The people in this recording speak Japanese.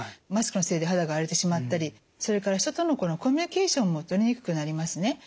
マスクのせいで肌が荒れてしまったりそれから人とのコミュニケーションもとりにくくなりますね。